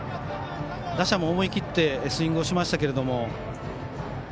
打者も思い切ってスイングしましたけども。